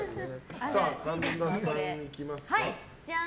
神田さん、いきますか。